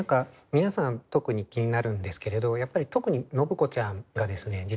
皆さん特に気になるんですけれどやっぱり特に信子ちゃんがですね